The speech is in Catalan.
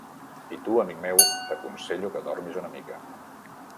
I tu, amic meu, t'aconsello que dormis una mica.